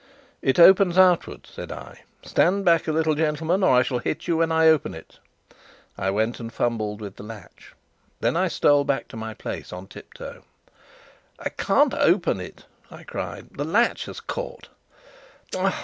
"It opens outwards," said I. "Stand back a little, gentlemen, or I shall hit you when I open it." I went and fumbled with the latch. Then I stole back to my place on tiptoe. "I can't open it!" I cried. "The latch has caught." "Tut!